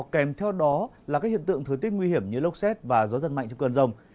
kèm theo đó là các hiện tượng thừa tiết nguy hiểm như lốc xét và gió giật mạnh trong cơn rông